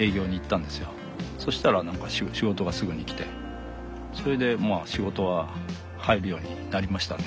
そしたら何か仕事がすぐに来てそれで仕事が入るようになりましたね。